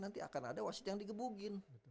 nanti akan ada wasit yang digebukin